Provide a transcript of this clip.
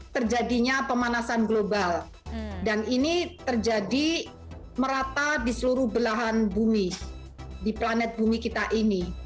terjadinya pemanasan global dan ini terjadi merata di seluruh belahan bumi di planet bumi kita ini